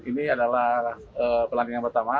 ini adalah pelandingan pertama